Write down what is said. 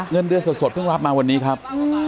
เงินเดือนสดเพิ่งรับมาวันนี้ครับ